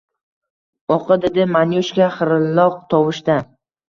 Oʻqi! – dedi Manyushka xirilloq tovushda.